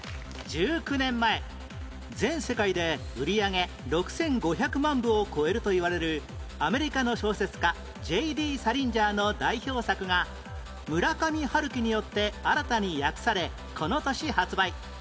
１９年前全世界で売上６５００万部を超えるといわれるアメリカの小説家 Ｊ．Ｄ． サリンジャーの代表作が村上春樹によって新たに訳されこの年発売